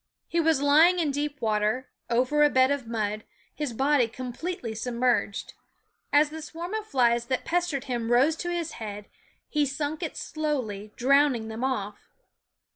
He was lying in deep water, over a bed of mud, his body completely submerged. As the swarm of flies that pestered him rose to his head he sunk it slowly, drowning them off.